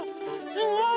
すごい。